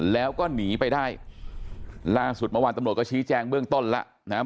แล้วก็หนีไปได้ล่าสุดเมื่อวานตำรวจก็ชี้แจงเบื้องต้นแล้วนะครับ